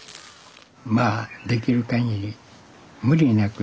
まあできるかぎり無理なく。